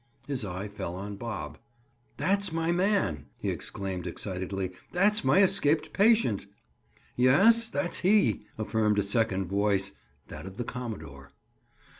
His eye fell on Bob. "That's my man," he exclaimed excitedly. "That's my escaped patient." "Yes, that's he!" affirmed a second voice—that of the commodore.